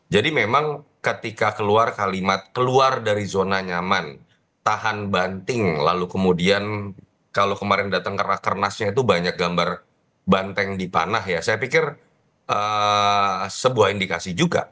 jadi memang ketika keluar kalimat keluar dari zona nyaman tahan banting lalu kemudian kalau kemarin datang kerasnya itu banyak gambar banting di panah ya saya pikir sebuah indikasi juga